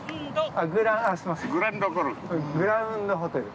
グラウンドホテル。